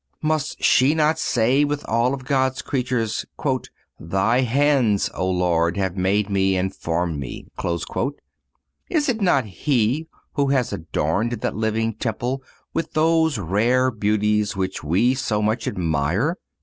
Must she not say with all of God's creatures: "Thy hands (O Lord) have made me and formed me." Is it not He who has adorned that living temple with those rare beauties which we so much admire?